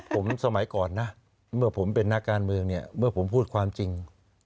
ผมสมัยก่อนนะฉันเป็นนักการเมืองเมื่อฉันพูดความจริง